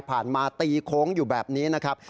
มาตีโค้งอยู่แบบนี้นะครับ